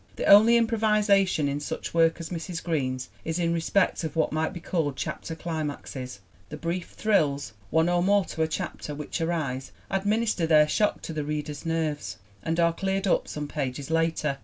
The only improvisation in such work as Mrs. Green's is in respect of what might be called chapter climaxes the brief thrills, one or more to a chapter, which arise, administer their shock to the reader's nerves, and are cleared up some pages later.